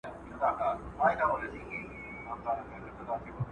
هر څه مه غواړه پر خپل شتمنۍ شکر وکاږه.